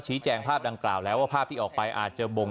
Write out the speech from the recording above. แจ้งภาพดังกล่าวแล้วว่าภาพที่ออกไปอาจจะบ่ง